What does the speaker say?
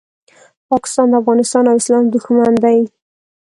پاکستان د افغانستان او اسلام دوښمن دی